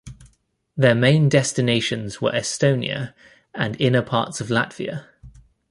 Their main destinations were Estonia and inner parts of Latvia.